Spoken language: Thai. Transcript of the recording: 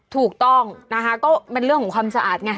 ถูกต้องนะคะก็เป็นเรื่องของความสะอาดไง